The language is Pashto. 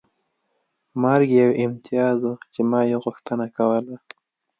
مرګ یو امتیاز و چې ما یې غوښتنه کوله